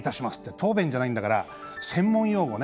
答弁じゃないんだから専門用語ね。